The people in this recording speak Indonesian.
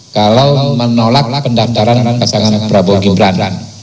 kalau menolak pendaftaran pasangan prabang ibram